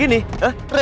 bapak ngebut ya